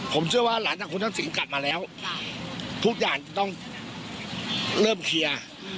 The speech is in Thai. ผมเชื่อว่าหลานทางคนทั้งสิงห์กลับมาแล้วใช่ทุกอย่างจะต้องเริ่มเคลียร์อืม